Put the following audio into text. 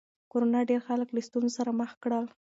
کرونا ډېر خلک له ستونزو سره مخ کړل.